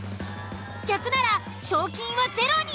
逆なら賞金はゼロに。